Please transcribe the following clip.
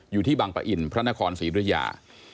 อยู่ที่บังปะอินพระนครศรีบริยา